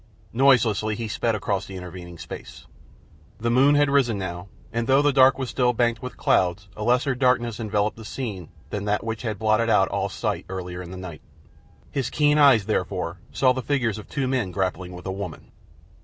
Noiselessly he sped across the intervening space. The moon had risen now, and, though the sky was still banked with clouds, a lesser darkness enveloped the scene than that which had blotted out all sight earlier in the night. His keen eyes, therefore, saw the figures of two men grappling with a woman.